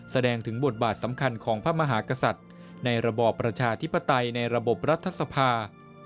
แสดงถึงบทบาทสำคัญของพระมหากษัตริย์ในระบอบประชาธิปไตยในระบบรัฐสภา